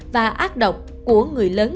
và ác độc của người lớn